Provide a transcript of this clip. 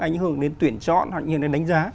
ảnh hưởng đến tuyển chọn hoặc như thế này đánh giá